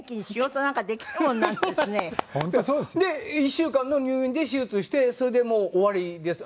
１週間の入院で手術してそれでもう終わりです。